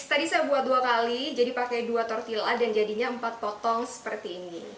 tadi saya buat dua kali jadi pakai dua tortilla dan jadinya empat potong seperti ini